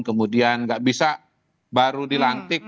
kemudian nggak bisa baru dilantik